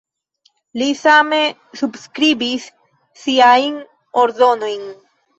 Li same subskribis siajn ordonojn.